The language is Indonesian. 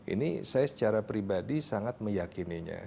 ini saya secara pribadi sangat meyakininya